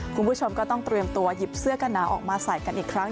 คุณผู้ชมก็ต้องเตรียมตัวหยิบเสื้อกันหนาวออกมาใส่กันอีกครั้ง